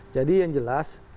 jadi yang jelas